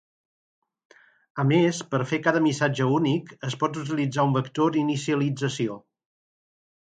A més, per fer cada missatge únic es pot utilitzar un vector d'inicialització.